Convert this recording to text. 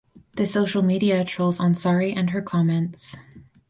The social media trolls Ansari and her comments.